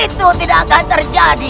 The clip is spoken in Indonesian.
itu tidak akan terjadi